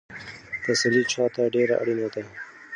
تسلي چا ته ډېره اړینه ده؟